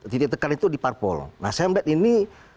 titik tekan itu di parpol nah sembet ini